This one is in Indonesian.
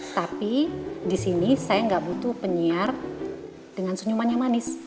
tapi disini saya gak butuh penyiar dengan senyuman yang manis